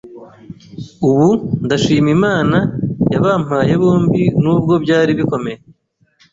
ubu ndashima Imana yabampaye bombi nubwo byari bikomeye.